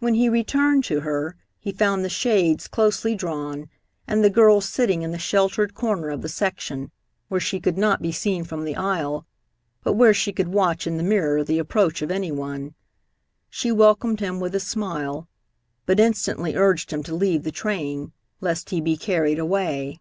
When he returned to her he found the shades closely drawn and the girl sitting in the sheltered corner of the section, where she could not be seen from the aisle, but where she could watch in the mirror the approach of any one. She welcomed him with a smile, but instantly urged him to leave the train, lest he be carried away.